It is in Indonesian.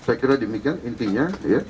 saya kira demikian intinya